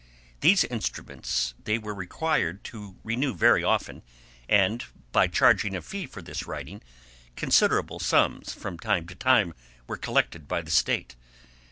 These instruments they were required to renew very often, and by charging a fee for this writing, considerable sums from time to time were collected by the State.